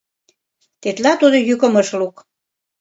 Тетла тудо йӱкым ыш лук.